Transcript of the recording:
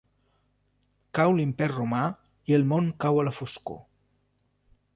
Cau l'Imperi Romà i el món cau a la foscor.